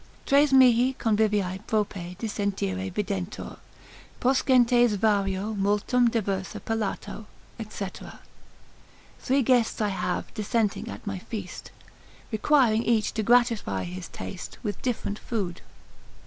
Tres mihi convivae prope dissentire videntur, Poscentes vario multum diversa palato, &c. Three guests I have, dissenting at my feast, Requiring each to gratify his taste With different food.